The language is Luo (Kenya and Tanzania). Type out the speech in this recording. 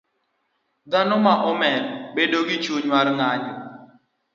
Dhano ma omer bedo gi chuny mar ng'anjo